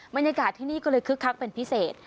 บรรยากาศที่นี่ก็เลยคึกคักเป็นพิเศษ